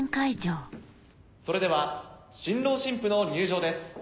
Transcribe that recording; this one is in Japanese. それでは新郎新婦の入場です。